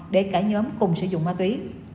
để cả nhóm cùng sử dụng ma túy